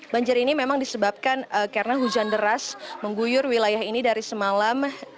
banjir ini memang disebabkan karena hujan deras mengguyur wilayah ini dari semalam